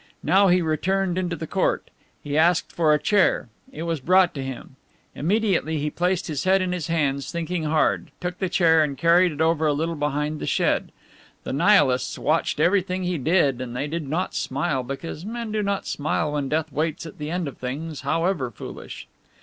Now he returned into the court. He asked for a chair. It was brought him. Immediately he placed his head in his hands, thinking hard, took the chair and carried it over a little behind the shed. The Nihilists watched everything he did and they did not smile, because men do not smile when death waits at the end of things, however foolish.